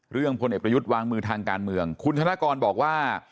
พลเอกประยุทธ์วางมือทางการเมืองคุณธนกรบอกว่า